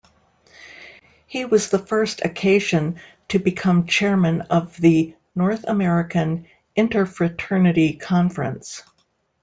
He was the first Acacian to become chairman of the North-American Interfraternity Conference.